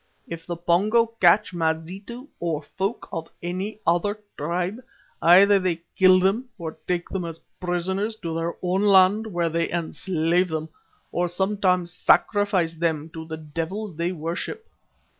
If the Pongo catch Mazitu or folk of any other tribe, either they kill them or take them as prisoners to their own land where they enslave them, or sometimes sacrifice them to the devils they worship."